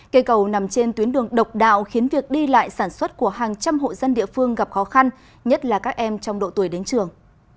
cây cầu nằm trên tuyến đường độc đạo khiến việc đi lại sản xuất của hàng trăm hộ dân địa phương gặp khó khăn nhất là các em trong độ tuổi đến trường